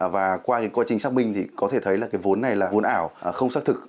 và qua quá trình xác minh thì có thể thấy vốn này là vốn ảo không xác thực